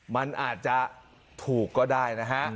มันอาจจะถูกก็ได้นะฮะ